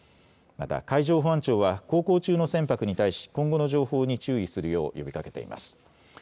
また海上保安庁は航行中の船舶に対し今後の情報に注意するよう呼びかけています。